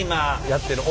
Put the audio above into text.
やってる。